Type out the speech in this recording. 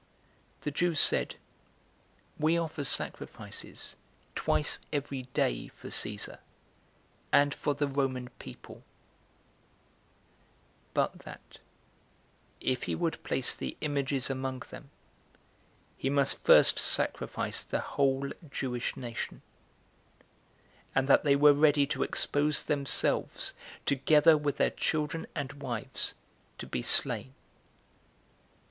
The Jews said, "We offer sacrifices twice every day for Caesar, and for the Roman people;" but that if he would place the images among them, he must first sacrifice the whole Jewish nation; and that they were ready to expose themselves, together with their children and wives, to be slain.